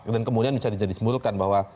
dan kemudian bisa disembuhkan bahwa